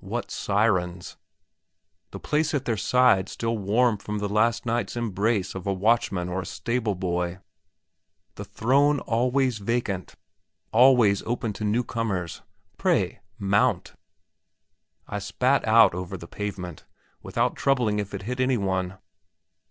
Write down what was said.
What sirens! The place at their side still warm from the last night's embrace of a watch man or a stable boy! The throne always vacant, always open to newcomers! Pray, mount! I spat out over the pavement, without troubling if it hit any one.